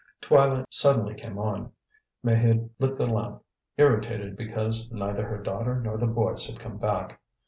Twilight suddenly came on; Maheude lit the lamp, irritated because neither her daughter nor the boys had come back.